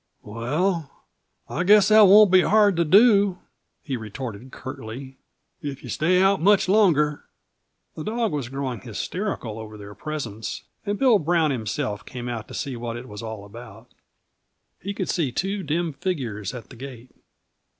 "Well, I guess that won't be hard to do," he retorted curtly, "if you stay out much longer." The dog was growing hysterical over their presence, and Bill Brown himself came out to see what it was all about. He could see two dim figures at the gate.